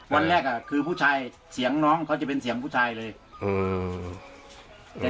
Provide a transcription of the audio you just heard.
วันแรกอ่ะคือผู้ชายเสียงน้องเขาจะเป็นเสียงผู้ชายเลยอืม